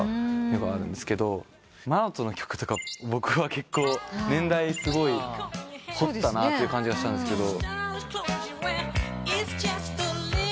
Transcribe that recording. ＭＡＮＡＴＯの曲とか僕は結構年代すごい掘ったなって感じがしたんですけど。